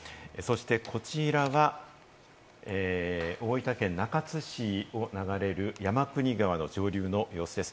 こちらは大分県中津市を流れる山国川の上流の様子です。